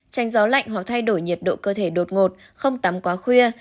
tranh gió lạnh hoặc thay đổi nhiệt độ cơ thể đột ngột không tắm quá khuya